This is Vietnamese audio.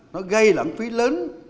nó gây lãng phí lớn